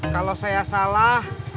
kalau saya salah